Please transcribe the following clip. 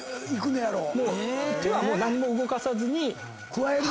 もう手は何も動かさずに。